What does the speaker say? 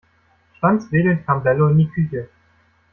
Schwanzwedelnd kam Bello in die Küche.